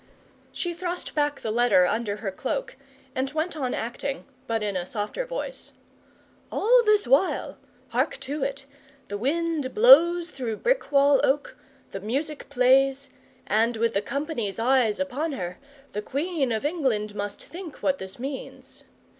She thrust back the letter under her cloak, and went on acting, but in a softer voice. 'All this while hark to it the wind blows through Brickwall Oak, the music plays, and, with the company's eyes upon her, the Queen of England must think what this means.